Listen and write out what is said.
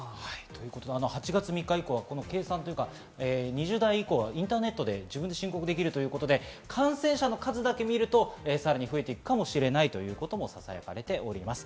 ８月３日以降はこの計算というか２０代以降はインターネットで自分で申告できるということで、感染者の数だけ見ると、さらに増えていくかもしれないということもささやかれています。